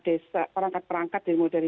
desa perangkat perangkat dimulai dari